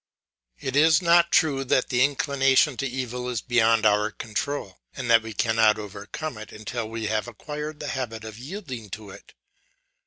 It is not true that the inclination to evil is beyond our control, and that we cannot overcome it until we have acquired the habit of yielding to it.